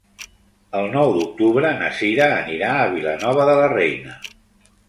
El nou d'octubre na Sira anirà a Vilanova de la Reina.